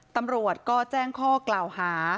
ตำรวจก็แจ้งข้อกล่าวหา